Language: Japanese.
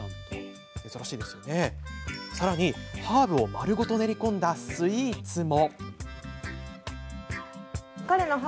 さらにハーブを丸ごと練り込んだスイーツも。